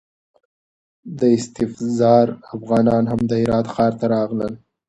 د اسفزار افغانان هم د هرات ښار ته راغلل.